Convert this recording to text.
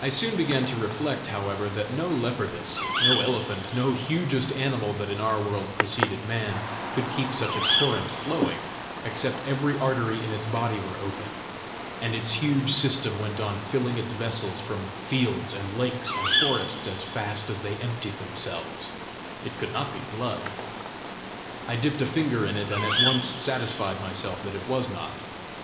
I soon began to reflect, however, that no leopardess, no elephant, no hugest animal that in our world preceded man, could keep such a torrent flowing, except every artery in its body were open, and its huge system went on filling its vessels from fields and lakes and forests as fast as they emptied themselves: it could not be blood! I dipped a finger in it, and at once satisfied myself that it was not.